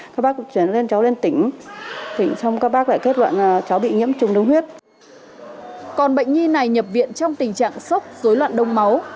còn bệnh nhi này nhập viện trong tình trạng sốc dối loạn đông máu